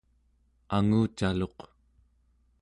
angucaluq¹